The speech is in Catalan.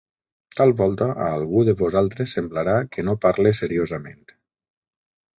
Tal volta a algú de vosaltres semblarà que no parle seriosament;